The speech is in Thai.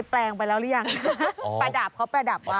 แปลงสีฟันไหมคะ